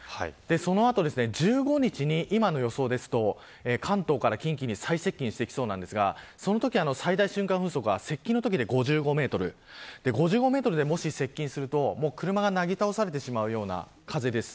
その後１５日に今の予想ですと関東から近畿に最接近してきそうなんですがそのとき最大瞬間風速は接近のときで５５メートル５５メートルで接近すると車がなぎ倒されるような風です。